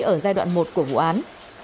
ở giai đoạn một của vụ án